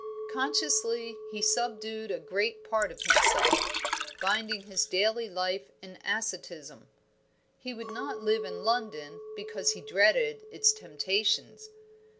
Consciously he subdued a great part of himself, binding his daily life in asceticism. He would not live in London because he dreaded its temptations.